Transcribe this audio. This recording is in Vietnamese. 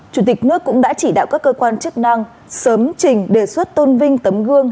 chủ tịch nước cũng đã chỉ đạo các cơ quan chức năng sớm trình đề xuất tôn vinh tấm gương